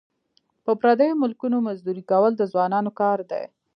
په پردیو ملکونو مزدوري کول د ځوانانو کار دی.